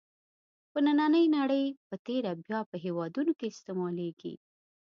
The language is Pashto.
په نننۍ نړۍ په تېره بیا په هېوادونو کې استعمالېږي.